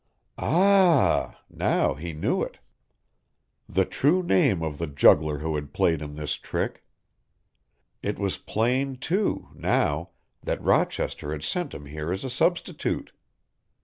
Ah! now he knew it. The true name of the juggler who had played him this trick. It was plain, too, now, that Rochester had sent him here as a substitute.